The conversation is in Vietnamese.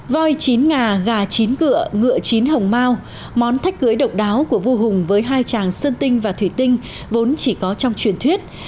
voi chín ngà gà chín ngựa chín hồng mao món thách cưới độc đáo của vua hùng với hai tràng sơn tinh và thủy tinh vốn chỉ có trong truyền thuyết